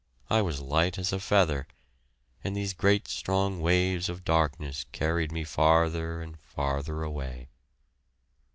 I was light as a feather, and these great strong waves of darkness carried me farther and farther away.